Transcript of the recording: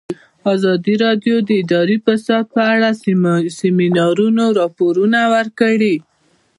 ازادي راډیو د اداري فساد په اړه د سیمینارونو راپورونه ورکړي.